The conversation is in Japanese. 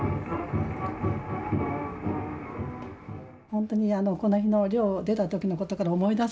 本当にこの日の寮を出た時のことから思い出します。